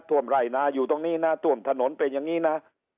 ท่วมไร่นาอยู่ตรงนี้นะท่วมถนนเป็นอย่างนี้นะ